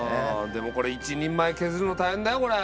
でもこれ１人前削るの大変だよこれ。